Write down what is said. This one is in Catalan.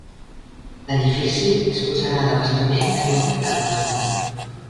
L'edifici disposarà d'abastament d'aigua potable.